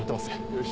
よし。